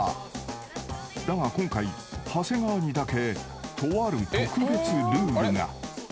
［だが今回長谷川にだけとある特別ルールが］